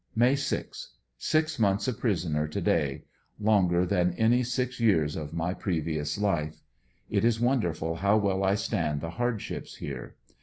May 6.— Six months a prisoner to day. Longer than any six years of my previous life. It is wonderful how well I stand the hardships here.